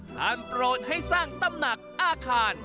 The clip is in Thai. โปรดให้สร้างตำหนักอาคาร